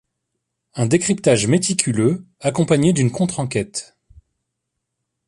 Un décryptage méticuleux accompagné d’une contre-enquête.